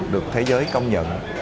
được thế giới công nhận